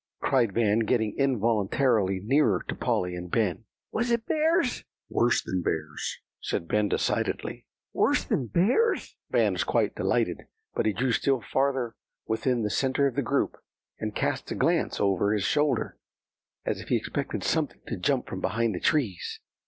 cried Van, getting involuntarily nearer to Polly and Ben. "Was it bears?" "Worse than bears," said Ben decidedly. "Worse than bears?" Van was quite delighted; but he drew still farther within the centre of the group, and cast a glance over his shoulder as if he expected something to jump from behind the trees.